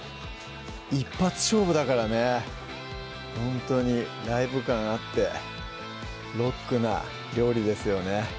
一発勝負だからねほんとにライブ感あってロックな料理ですよね